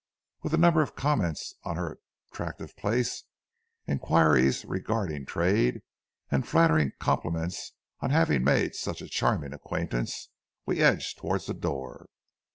With a number of comments on her attractive place, inquiries regarding trade, and a flattering compliment on having made such a charming acquaintance, we edged towards the door.